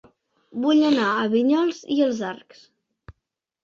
Vull anar a Vinyols i els Arcs